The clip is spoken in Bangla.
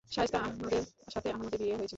শায়েস্তা আহমদের সাথে আহমদের বিয়ে হয়েছিল।